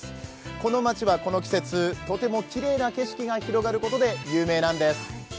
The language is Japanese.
この町はこの季節、とてもきれいな景色が広がることで有名なんです。